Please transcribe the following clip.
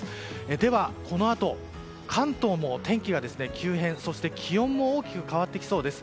では、このあと関東も天気が急変そして気温も大きく変わってきそうです。